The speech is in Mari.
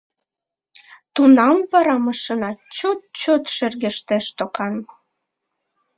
Тунам вара машина чот-чот шергештеш докан.